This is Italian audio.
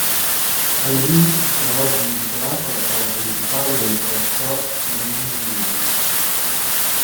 A lui è oggi intitolata la sala principale del Palasport Flaminio di Rimini.